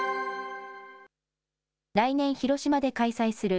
来年、広島で開催する、